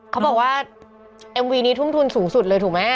เขาบอกว่าเอ็มวีนี้ทุ่มทุนสูงสุดเลยถูกไหม